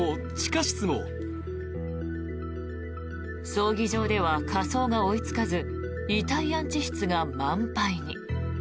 葬儀場では火葬が追いつかず遺体安置室が満杯に。